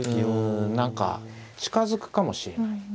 うん何か近づくかもしれない。